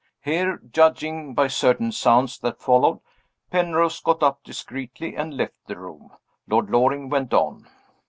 Here, judging by certain sounds that followed, Penrose got up discreetly, and left the room. Lord Loring went on.